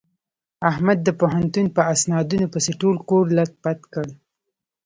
احمد د پوهنتون په اسنادونو پسې ټول کور لت پت کړ.